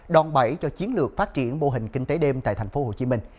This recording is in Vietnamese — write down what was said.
đòn bẩy cho chiến lược phát triển mô hình kinh tế đêm tại thành phố hồ chí minh